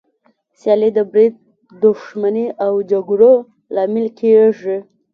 سیالي د بريد، دښمني او جګړو لامل کېږي.